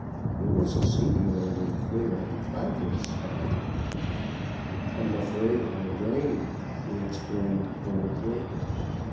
It was a singularly clear and cloudless sky. "I'm afraid it will rain," he explained, boldly.